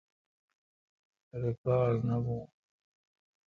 ریکاڑ نہ بھون